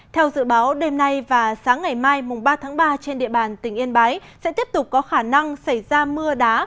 theo dự báo đêm nay và sáng ngày mai mùng ba tháng ba trên địa bàn tỉnh yên bái sẽ tiếp tục có khả năng xảy ra mưa đá